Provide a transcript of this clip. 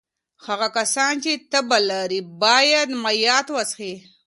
هغه کسان چې تبه لري باید مایعات وڅښي.